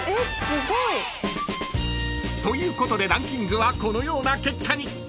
［ということでランキングはこのような結果に］